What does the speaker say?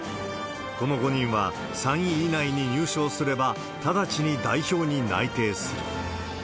この５人は３位以内に入賞すれば、直ちに代表に内定する。